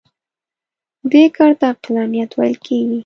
دې کار ته عقلانیت ویل کېږي.